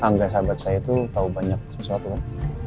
angga sahabat saya itu tahu banyak sesuatu kan